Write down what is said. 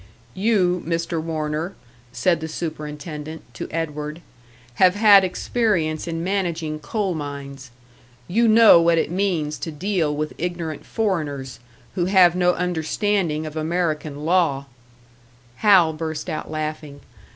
"You, Mr. Warner," said the superintendent, to Edward, "have had experience in managing coal mines. You know what it means to deal with ignorant foreigners, who have no understanding of American law " Hal burst out laughing.